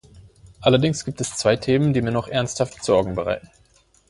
Allerdings gibt es zwei Themen, die mir noch ernsthaft Sorgen bereiten.